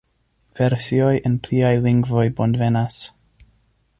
Versioj en pliaj lingvoj bonvenas.